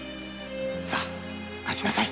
さぁ立ちなさい。